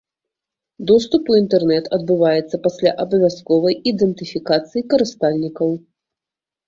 Доступ у інтэрнэт адбываецца пасля абавязковай ідэнтыфікацыі карыстальнікаў.